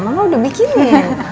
mama udah bikinin